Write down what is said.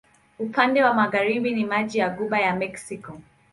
Upande wa magharibi ni maji wa Ghuba ya Meksiko.